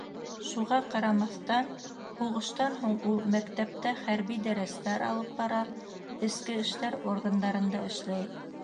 Шуға ҡарамаҫтан, һуғыштан һуң ул мәктәптә хәрби дәрестәр алып бара, эске эштәр органдарында эшләй.